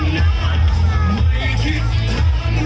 กลับไปรับไป